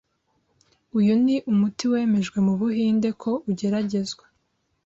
Uyu ni umuti wemejwe mu Buhinde ko ugeragezwa